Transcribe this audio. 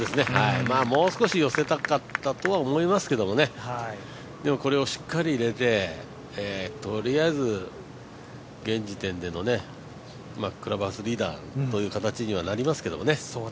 もう少し寄せたかったとは思いますけど、これをしっかり入れて、とりあえず現時点でのクラブハウスリーダーという形にはなりますけどね。